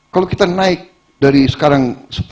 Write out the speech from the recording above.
kalau kita naik dari sekarang sepuluh delapan sebelas